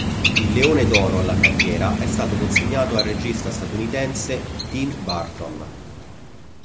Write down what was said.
Il Leone d'Oro alla carriera è stato consegnato al regista statunitense Tim Burton.